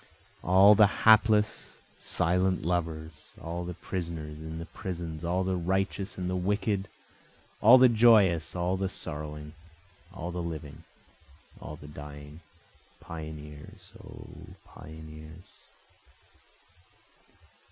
All the hapless silent lovers, All the prisoners in the prisons, all the righteous and the wicked, All the joyous, all the sorrowing, all the living, all the dying, Pioneers! O pioneers!